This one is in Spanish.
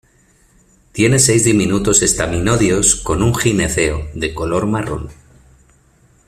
Tiene seis diminutos estaminodios con un gineceo de color marrón.